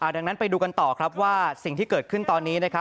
ดังนั้นไปดูกันต่อครับว่าสิ่งที่เกิดขึ้นตอนนี้นะครับ